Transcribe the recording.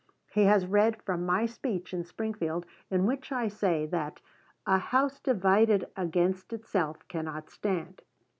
He has read from my speech in Springfield in which I say that "a house divided against itself cannot stand."